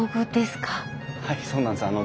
はいそうなんです。